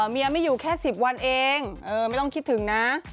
เมียไม่อยู่แค่๑๐วันเองไม่ต้องคิดถึงนะ